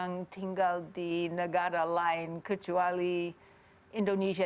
saya begitu senang tinggal di negara lain kecuali indonesia